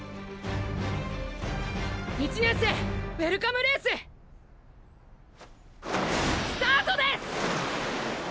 １年生ウェルカムレーススタートです！